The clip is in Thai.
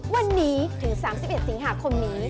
วันนี้ถึง๓๑สิงหาคมนี้